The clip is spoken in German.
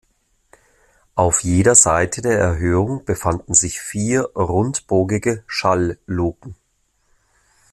Auf jeder Seite der Erhöhung befanden sich vier rundbogige Schallluken.